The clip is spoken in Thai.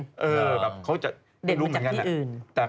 อู๋กับเขาจะ